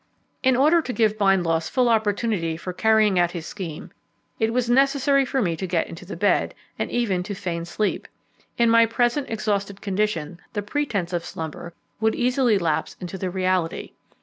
In order to give Bindloss full opportunity for carrying out his scheme, it was necessary for me to get into bed, and even to feign sleep. In my present exhausted condition the pretence of slumber would easily lapse into the reality.